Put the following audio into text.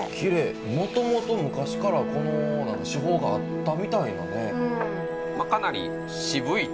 もともと昔からこの手法があったみたいなね。